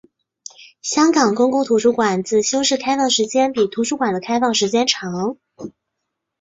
香港公共图书馆自修室开放时间比图书馆的开放时间长。